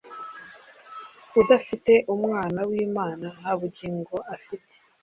udafite Umwana w’Imana nta bugingo afite.